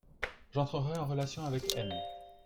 j'entrerai en relation avec M.